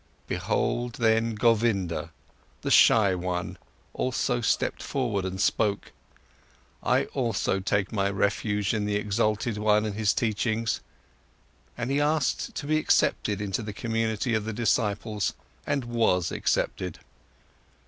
Behold, then Govinda, the shy one, also stepped forward and spoke: "I also take my refuge in the exalted one and his teachings," and he asked to be accepted into the community of his disciples and was accepted.